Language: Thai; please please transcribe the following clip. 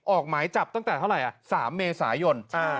ออกหมายจับตั้งแต่เท่าไหร่๓เมษายน